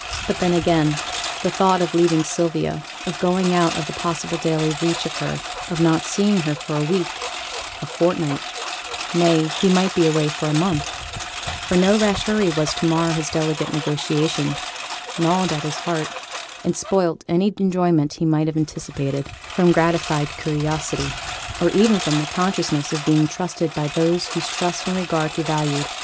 But then again, the thought of leaving Sylvia; of going out of possible daily reach of her; of not seeing her for a week a fortnight; nay, he might be away for a month, for no rash hurry was to mar his delicate negotiation, gnawed at his heart, and spoilt any enjoyment he might have anticipated from gratified curiosity, or even from the consciousness of being trusted by those whose trust and regard he valued.